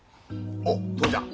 おっ父ちゃん